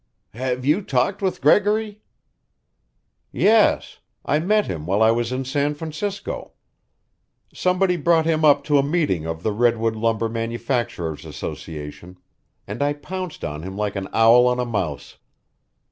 "Have you talked with Gregory?" "Yes. I met him while I was in San Francisco. Somebody brought him up to a meeting of the Redwood Lumber Manufacturers' Association, and I pounced on him like an owl on a mouse."